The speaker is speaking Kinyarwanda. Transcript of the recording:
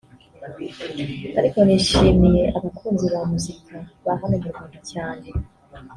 ariko nishimiye abakunzi ba muzika ba hano mu Rwanda cyane”